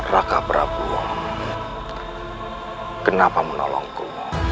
raka prabowo kenapa menolongku